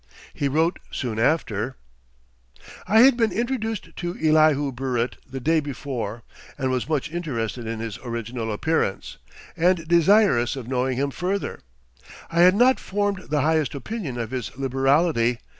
He wrote soon after: "I had been introduced to Elihu Burritt the day before, and was much interested in his original appearance, and desirous of knowing him further. I had not formed the highest opinion of his liberality.